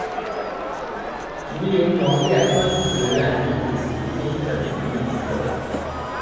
吉林农业科技学院地处吉林省吉林市。